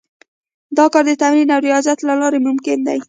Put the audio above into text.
دا کار د تمرين او رياضت له لارې ممکن دی.